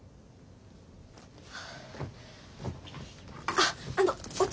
あっあのお茶